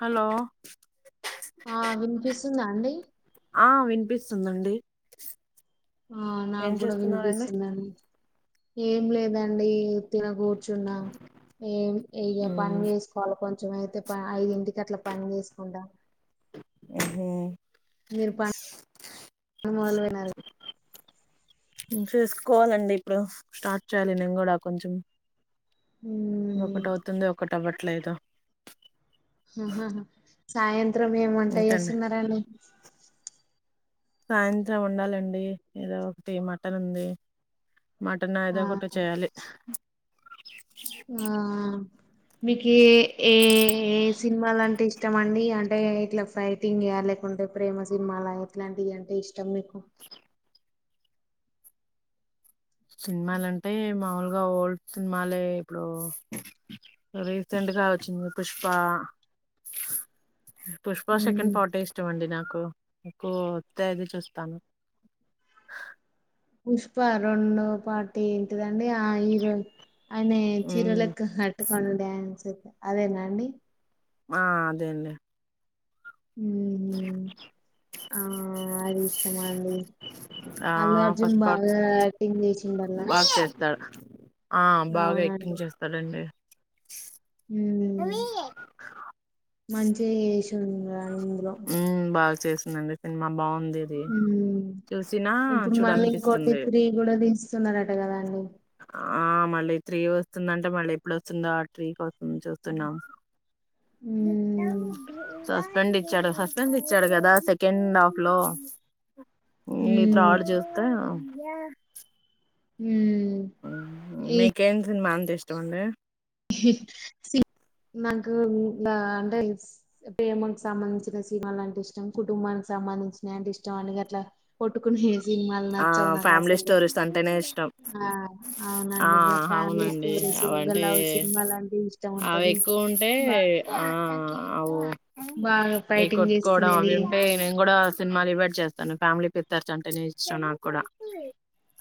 Hello స్తుందా అండి ఆ వినిపిస్తుందండి ఆ ఏం నాకు కూడా చేస్తున్నారండి వినిపిస్తుందడి ఏం లేదండి తినకూడ కూర్చున్నా ఏ ఇగ పని చేేసుకోవాలి కొంచెం అయితే ఐదింటికి అలా పని చేసుకుంటా హ్మ్ హు మీరు పని మొదలు పెనారు చూసుకోవాలండి ఇప్పుడు స్టార్ట్ చేయాలి నేను కూడా కొంచెం మ్మ్ ఇదొకటి అవుతుంది ఒకటి అవట్ ట్లేదా సాయంత్ ం త్రం ఏం వంట అంతేండి చేస్తున్నారడి సాయంత్రం వొండాలండి ఏదో ఒకటి మటన్ ఉంది మటన్ ఆ ఏదో ఒకటి చేయాలి ఆ మీకు ఏ ఏ సినిమాలంటే ఇష్టం అండి అంటే ఇట్లా ఫైటింగ్ ఏ లేకుంటే ప్రేమ సినిమాాల ఎట్లాంటి అంటే ఇష్టం మీకు సినిమాలంటే మాముూలుగా ఓల్డ్ సినిమాలే ఇప్పుడు రీసెంట్గా వచ్చింది పుష్ప పుష్ప సెకండ్ మ్మ్. పార్ట్ ఎ ఇష్టంమండి నాకు కు నాకు తేదీ చూస్తాను పుష్ప రెండు పాటి ఎంటి ద అ ఆ ఈరో ఆయన చీరలక్క కట్టుకోని డాన్స్ అదేనా అండి ఆ అదే అండి హ్మ్ హ్మ్ ఆ అది ఇష్టం డి ఆ అల్ అర్జున్ ఫస్ట్ పార్ట్ బాగా ఆక్టింగ్ చేయిసిండల్ల బాగా చేస్తాడు ఆ బాగా యాక్టింగ్ చేస్తాడండి ను మంచిగాష ఉ బాగా చేస్త సినిమా బా ఇప్పుడు మళ్ళీ చూడాలనిపిస్తుంది కొటిీ కూడా తీ సున్నరట్టే కదా అండి ఆ మళ్ళీ త్రీ వస్తుందంటే మళ్ళీ ఎప్పుడు వస్తుందో స్్రీ కోసం చూస్తున్నాం ఉమ్ సస్పెండ్ ఇచ్చాడు ఇబ్బంది ఇచ్చాడు కదా సెకండ్ హాఫ్ లో ఇత ఉమ్ ఆడు చేస్తే అ హ ఏ సిని మాంత ఇష్టండి నాకు అంటే ప్రేమకు సంబంధించిన సినిమలులాంటిే ఇష్టం కుటుంబానికి సంబంధించిన అంటిే ఇష్టం అనే అట్లా కొట్టుకుని సినిమాలు ఆ నచ్చవు నాక ఫ్యామిలీ అసలు స్టోరీస్ అంటేనే ఇష్టం ఆ ఆ అవునండి ఇ ఫ్యామిలీ అవునండి స్టోరీస్ అవంటే సినిమాలు అంటే ఇష్టం అవి ఉంటది ఎక్కువ ఉంటే బా ఆ అవు బాగా అవి ఫైటింగ్ కొట్టుకోవడం అవి చేసుకునేది ఉంటే నేను కూడా సినిమాలు ఇవ్వట్ చేస్తాను ఫ్యామిలీ పెత్తచ్చ అంటే నే సనా కూడాడా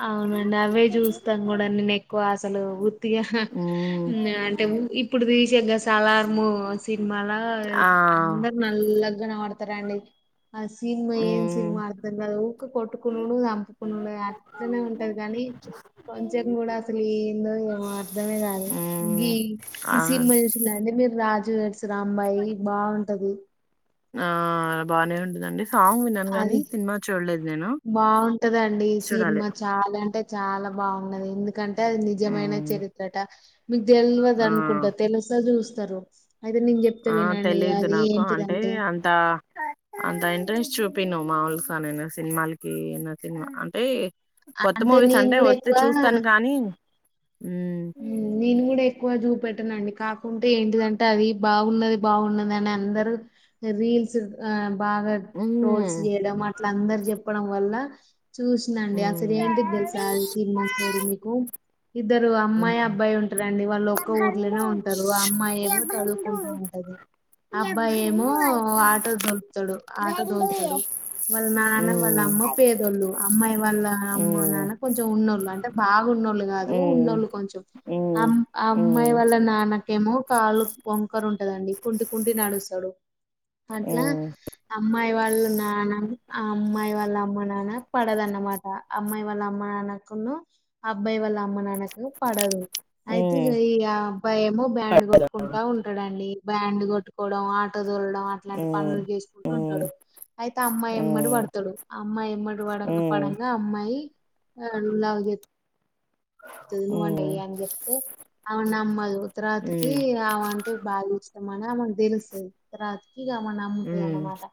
అవునండి అవే చూస్తాం కూడా నేను ఎక్కువ అసలు వత్తిగా మ్మ్ అంటే ఇప్పుడు తీసా్ సలార్ము సినిమాాల ఆ అందరు నల్లగగానే ఆడత త్తండి ఆ సినిమా ఏన్ మ్మ్ సినిమా అతుంద అవు పోటుకు సముపుకు ఇనే ఉంటారు కానీ కొంచన్ కూడా అసలు ఏందో ఏమో అర్థమే కాదు మ్మ్ ఇ ఆ ఈ సినిమా చూసింద అండి మీరు రాజ జడ్స్ రాంబాయి బాగుంటది ఆ బానే ఉంటందండి అది బాగుంటదండి చూడాలి సినిమా చాలా అంటే చాలా బాగున్నది ఎందుకంటే అది నిజమైన మ్మ్ చరిత్రట మీకు తెలియదు ఆ అనుకుంటా తెలుసా చూస్త సరో ఆ తెలీదు నాకు అంటే ఏంటిదంటే అంత అంత ఇంట్రెస్ట్ చూపి ప్ప నో మావల్స్ అననా సినిమాాలకి సినిమా అంటే కొత్త మూవీస్ నేను అంటే గూడా వస్తే ఎక్కువ చూస్తాను కానీ మ్మ్ నేను కూడా ఎక్కువ చూపెట్టనండి కాకుంటే ఏంటిదంటే అది బాగున్నది బాగున్నది అని అందరూ రీల్స్ ఆ బాగా ట్రోల్స్ మ్మ్ చేయడం అట్ల అందరు చె ప్పడం వల్ల చూసినండి అసలు హ్మ్ ఏంటికి తెలుసా సినిమ స్టోరి మీకు ఇద్దరు హ్మ్ అమ్మాయి అబ్బాయి ఉంటారండి వాళ్ళు ఒక్క ఊర్లోనే ఉంటారు అమ్మాయి ఏమో చదువుకుంటా ఉంటది అబ్బాయి ఏమో ఆటో దొలుపుతాడు ఆటో దొలుతాడు వాళ్ళ నాన్న వాళ్ళ హ్మ్ అమ్మ పేదోళ్ళు అమ్మాయి వాళ్ళ అమ్మ హ్మ్ నాన్న కొంచెం ఉన్నోళ్ళు అంటే బాగా ఉన్నోళ్ళు కాదు హ్మ్ ఉన్నళ్ కొంచం అమ్మాయి హ్మ్ హ్మ్ వాళ్ళ నాన్న కేమో కాళ్ళ వంకరు ఉంటదండి కుంటి కుంటి నడుస్తాడు అట్లా అమ్మాయి వాళ్ళ వాళ్ళు నాన్న అమ్మాయి వాళ్ళ అమ్మ నాన్న పడదన్నమాట అమ్మాయి వాళ్ళ అమ్మ నాన్నకును అబ్బాయి వాళ్ళ అమ్మ నాన్నకు పడదు అయితే హ్మ్ హ్మ్ ఈ అబ్బాయి ఏమో ప బ్యాండ్ కొట్టుకుంటా ఉంటాడండి బ్యాండ్ కొట్టుకోవడం ఆటో లడం అట్లాంటి పనులు హ్మ్ చేసుకుంటూ హ్మ్ ఉంటాడు అయితే అమ్మాయి యెమ్మడి హ్మ్ పడతాడు ఆ అమ్మాయిమ్మడి పడ పడంగా అమ్మాయి లవ్ చే నువ్వు అంటయి హ్మ్ అని చెప్తే అ నమ్మదు తరాతికి ఆమెంటే బాగ మన ఆమెకు తెలుస్తది రా ఇగా ఆమ హ్మ్ హ్మ్ నమ్ముతనమాట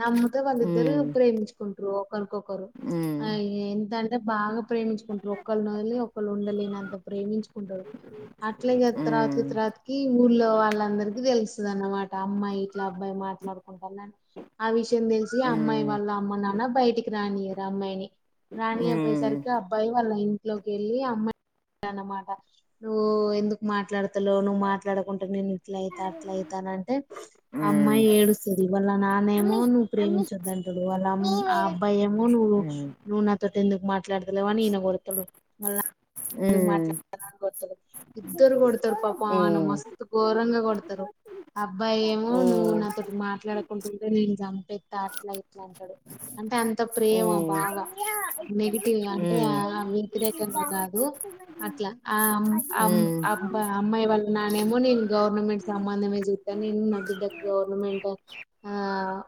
నమ్ముతే వాళ్ళిద్దరు హ్మ్ ప్రేమించుకుంటు రోప్ ఒకరికొకరు హ్మ్ హ్మ్ హ్మ్ హ్మ్ హ్మ్ హ్మ్ హ్మ్ హ్మ్ హ్మ్ హ్మ్ హ్మ్ ఆ హ్మ్ ఎంత భాగ ప్రేమించుకుంటరు ఒక్కల్ని వదిలి ఉండలేనంత ప్రేమించుకుంటారు అట్లా తర్వాతకి తర్వాతకి ఊళ్ళో వాళ్ళందరికి తెలుస్తుంది అన్నమాట అమ్మాయి ఇట్లా అబ్బాయి మాట్లాడుకుంటారుని ఆ విషయం తెలిసి అమ్మాయి వాళ్ళ అమ్మ నాన్న బయటికి ఇ రానియరు అమ్మాయిని రాణియక పోయేసరికి అబ్బాయి వాళ్లంటి లోకి అమ్మాయి అన్నమాట నువ్వు ఎందుకు మాట్లాడతాలో నువ్వు మాట్లాడకుంటే నేను ఇట్ల అయితా అట్లా అయితాన అంటే అమ్మాయి ఏడుస్తది వల్ల నాన్నేమో నువ ప్రేమ ఉంచొద్దంటాడు అళ్ ఆ అబ్బాయి ను నువ్వు నకు ఎందుకు మాట్లాడతలేవని ఈయన కొడతడు ళ్ళ మాట్లాడత ఇద్దరు కొడతారు పాప అను మస్తు ఘోరంగా కొడతారు ఆ అబ్బాయి ఏమో నువ్వు నాతో మాట్లాడుకుంటుంటే నేను చంపస్తా అట్లా ఇట్లా అంటాడు అంటే అంత ప్రేమ బాగా నెగిటివ్ అంటే వ్యతిరేక కాదు అట్లా ఆ అబ్బాయి అమ్మాయి వాళ్ళ నానేమో నేను గవర్నమెంట్ సంబంధమే చూతాను నేను నా బిడ్డకి గవర్నమెంట్ ఆ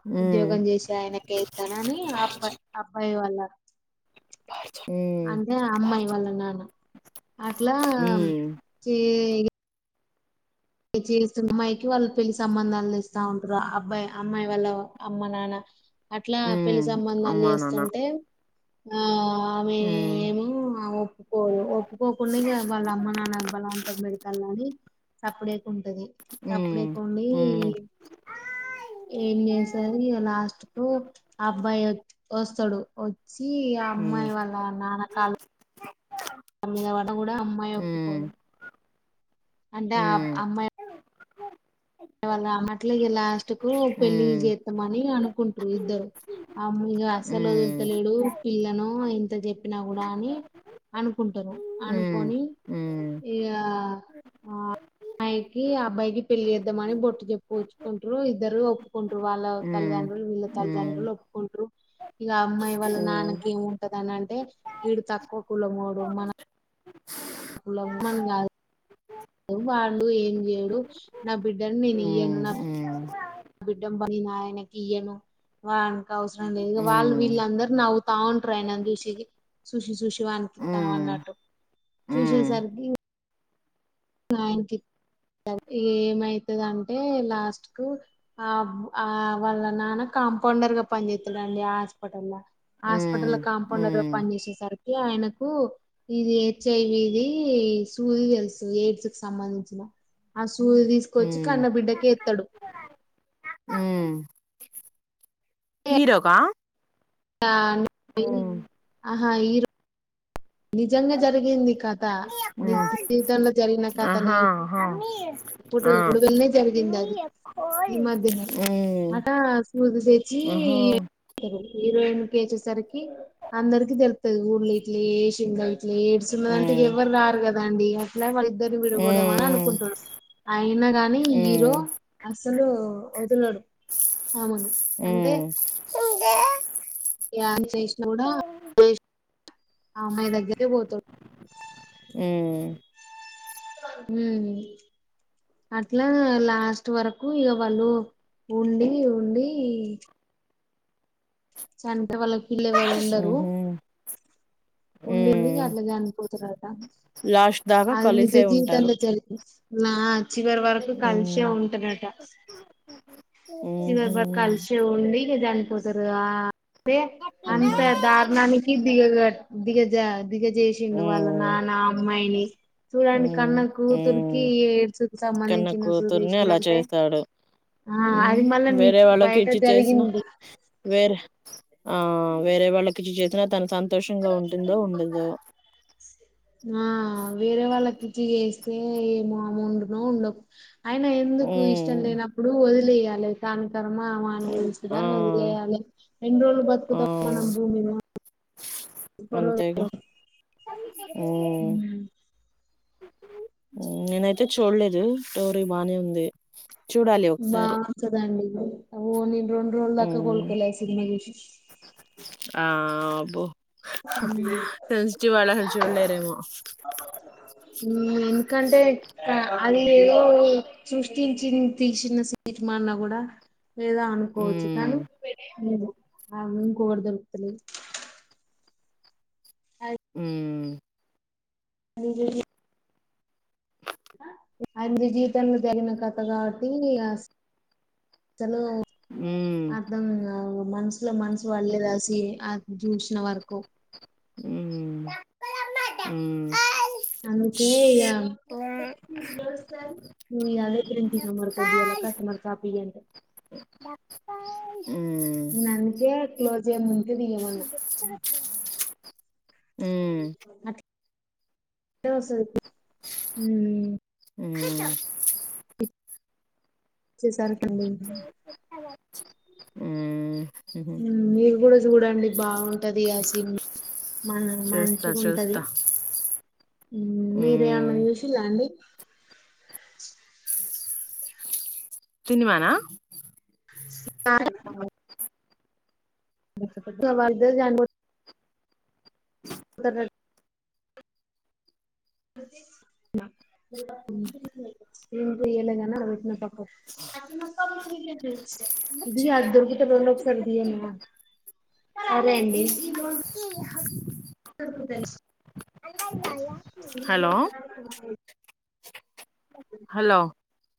హ్మ్ హ్మ్ ఉద్యోగం చేసి ఆయనక ఇస్తానని ఆ అబ్బాయి అబ్బాయి వాళ్ళ హ్మ్ అంటే అమ్మాయి వాళ్ళ నాన్న అట్లా హ్మ్ చేస్తున్న అమ్మాయికి వాళ్ళు పెళ్లి సంబంధాలు ఇస్తా ఉంటారు అబ్బాయి అమ్మాయి వాళ్ళ అమ్మ నాన్న అట్లా పెళ్లి హ్మ్ సంబంధాలు అమ్మా నాన్న చేస్తుంటే ఆ ఆమె హ్మ్ ఏమ ఒప్పుకోదు ఒప్పుకోకుండా వాళ్ళ అమ్మ నాన్నబ్బలా అంత పెడతారుని అప్పుడే ఉంటది అప్పుడే హ్మ్ కొండి హ్మ్ ఏం చేసరి లాస్ట్ త అబ్బాయి వస్తాడు ఓకే సి ఆ హ్మ్ అమ్మాయి వాళ్ళ నానా కాాల అమ్ద వడం కూడా అమ్మాయి ఒప్పుపోదు అంటే ఆ హ్మ్ అమ్మాయి ళ అన్నట్ల లాస్ట్ కు పెళ్లిి హ్మ్ చేస్తామ అని అనుకుంటారు ఇద్దరు హ్మ్ హ్మ్ అసలుదులుతలిడు పిల్లలను ఇంత చెప్పినా కూడా అని అనుకుంటారు హ్మ్ అనుకొని హ్మ్ హ్మ్ ఇక ఆ అమ్మాయికి ఆ అబ్బాయికి పెళ్లిి చేస్త ఇద్దమని బొట్టు చెప్పు ఉచ్చుకుంటారు ఇద్దరు ఒప్పుకుంటారు వాళ్ళ తల్లిదండ్రులు వీళ్ళ హ్మ్ తల్లిదండ్రులు ఒప్పుకుంటారు ఇక అమ్మాయి వాళ్ళ నాన్నకి ఏమి ఉంటదని అంటే వీడు తక్కువ కులమోడు మన పల మన్ గ వాళ్ళు ఏం చేయ్యడు నా బిడ్డని నేను హ్మ్ ఇయ్యను హ్మ్ నా హ్మ్ బిడ్డమ్ బనినాయనే కియ ను వా అవసరం లేదు హ్మ్ హ్మ్ హ్మ్ వాళ్ళు వీళ్ళందరూ నవ్వుతా ఉంటారు అయన చూసికి సుషి సుషి వాపిస్తాం హ్మ్ అన్నట్టు హ్మ్ చూసేసరికి నాయన్కి ఏమైతుందింటే లాస్ట్ కు ఆ ఆ వాళ్ళ నాన్న కాంపౌండర్ గా పని చేస్తాడుండి ఆ హాస్పిటల్ హాస్పిటల్ కాంపౌండర్ హ్మ్ పని చేేసేసారు ఆయనకు ఇది హెచ్ఐవి ఇది సూది తెలుస్తు ఎయిస్ సంబంధించిన చూది తీసుకొచ్చి హ్మ్. కన్న బిడ్డకి ఎత్తాడు ఉ హీరోకా ఆ హ్మ్. ఆహా ఈరో నిజంగా జరిగింది కథ నిజ హ్మ్. జీవితంలో జరిగిన కథ న ఆహా ఆహా ఎప్పుడు ఆ రడుగులనే జరిగింది అది ఈ మధ్యనే హ్మ్ అట సూదు సచి ఆహా హీరోయిన్ కి వచ్చేసరికి అందరికి తెల్తది ఊళ్ళ ఇట్లా జేసిందని ఎయిడ్స్ ఉన్నదంటే ఇగ హ్మ్ ఎవ్వరు రారు కదాండి అట్లా వాళ్ళ ఇద్దరిని హ్మ్ విడగొడుదామని హ్మ్ అనుకుంటున్నాం అయినా గాని హీరో ఉమ్ అసలు ఒదులడు అవును అంటే ఉమ్ యమి చేసినా కూడా వేస్ట్ ఆ అమ్మాయి దగ్గరికే పోతడు మ్ ఊ అట్లా లాస్ట్ వరకు ఇగ వాళ్ళు ఉండి ఉండి చను టే వాళ్ళకి పిల్ల ఎవరు ఉండరు ఉహు ఉండి ఉండి ఇగ ఉమ్ అట్లా చనిపోతారట లాస్ట్ దాకా అది నిజ కలిసే ఉంటారు జీవితంలో జరిగి నా చివరి వరకు కలిసే ఉమ్ ఉంటరట చివరి ఉహు వరకు కలిసే ఉండి ళ్ళే జనిపోతారుగా పే ఉహు ఉమ్ అంత దారుణానికి దిగగట్ దిగజా దిగజ జేసిండు వాళ్ల ఉమ్ నాన్న అమ్మాయిని చూడండి కన్న కూతురికి ఉమ్ ఎడ్స్స్ కి కన్న సంబంధించిన కూతుర్ని అలా సుదేశిండంటే చేస్తాడు ఆ ఉమ్ అది మళ్ళ నీ వేరే వాళ్ళకి బయట ఇచ్చి చేసిన జరిగింది వేరే ఆ వేరే వాళ్ళకిచ్చి చేసిన తన సంత్ ఆ వేరే వాళ్లకి చచ్చి చేస్తే ఏమో ఆమె ఉండునో ఉండక్ అయిన ఎందుకు ఇష్టం ఉమ్ లేనప్పుడు వదిలేయ నెలైతాంద్ కర్మా మని ఆ విధానంల వదిలేయాలి ఎన్రోలు ఆ బతుకుతాం మనం భూమి మీద అంతేగా ఉమ్ [inaudible] మ్ నేనైతే చూడలేదు స్టోరీ బానే ఉంది చూడాలి బా ఒకసారి చూడండి ఓనిమ్ రెండ్రోలు దాక ఉమ్ కోలుకోలే ఆ సినిమా చూసి ఆ అబ్బో సెన్సిటివ్ వాళ్ళు అసలు చూడలేరేమో ఎందుకంటే అది ఏదో సృష్టించి తీసిన సర్మాన్నా కూడా లేదా అనుకోవచ్చు ఉమ్ కానీ [unintelligible] ఉమ్ అదిజ అది నీ జీవితంలో జరిగిన కథ కాబట్టి అస్సలు ఉమ్ అర్థం కావు మనసులో మనసు వాళ్డలేదసి ఆ సీన్ అది చూసిన వరకు ఉమ్ ఉమ్ అందుకే ఇగా అదే ిన మరి కొద్దు అలా కస్టమర్స్పి అంటే ఉమ్ నేను అందుకే క్లోజ్ చెయ్య ముందుకే తీయమన్నా ఉమ్ అ పచ్చే సారి కలీ ఉమ్ ఉమ్ మీరు కూడా చూడండి బాగుంటది ఆ సీన్ మన చూస్తా మంచిగా ఉంటది చూస్తా మీరేమన్నా చూసిలాండి సినిమానా స వ జ ఉ ఇంటి ఏలగానాట్న ప మా ఇది అద్దరుగుట్ట ర లో సర్దియ మ అదేడి అ ఉన్నాయా ఇ హలో